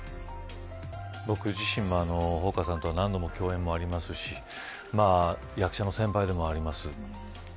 僕自身もほうかさんとは何度も共演もありますし役者の先輩でもあります。